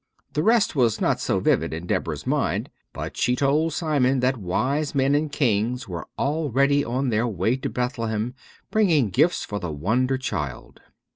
The rest was not so vivid in Deborah's mind, but she told Simon that wise men and kings were already on their way to Bethlehem, bringing gifts for the wonder child.